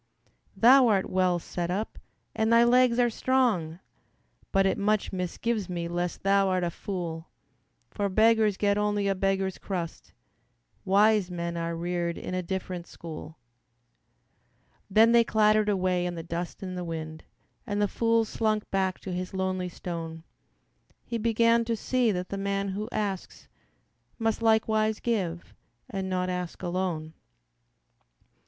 "Thou art well set up, and thy legs are strong, But it much misgives me lest thou'rt a fool; For beggars get only a beggar's crust, Wise men are reared in a different school." Then they clattered away in the dust and the wind, And the fool slunk back to his lonely stone; He began to see that the man who asks Must likewise give and not ask alone.